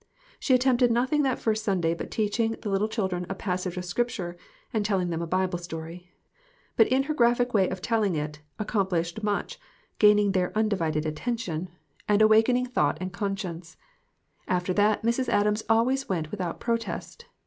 She attempted nothing that first Sunday but teaching the children a passage of Scripture and telling them a Bible story; but in her graphic way of telling it accomplished much, gaining their undivided attention, and 42 GOOD BREAD AND GOOD MEETINGS. awakening thought and conscience. After that Mrs. Adams always went without protest.